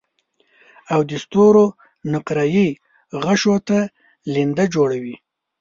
او د ستورو نقره يي غشو ته لینده جوړوي